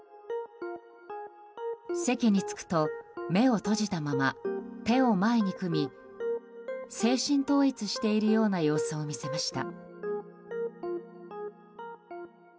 席に着くと目を閉じたまま、手を前に組み精神統一しているような様子を見せました。